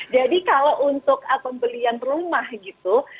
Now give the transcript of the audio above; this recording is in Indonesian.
jadi kalau untuk pembelian rumah gitu